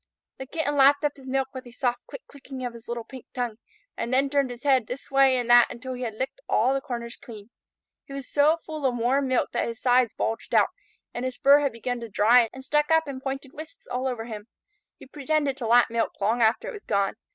The Kitten lapped up his milk with a soft click clicking of his little pink tongue, and then turned his head this way and that until he had licked all the corners clean. He was so full of warm milk that his sides bulged out, and his fur had begun to dry and stuck up in pointed wisps all over him. He pretended to lap milk long after it was gone.